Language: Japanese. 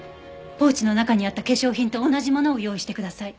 ポーチの中にあった化粧品と同じものを用意してください。